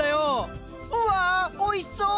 うわおいしそう！